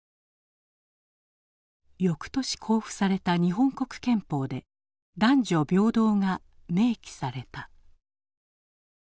翌年公布された日本国憲法で「男女平等」が明記された。